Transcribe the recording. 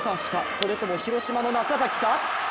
それとも広島の中崎か。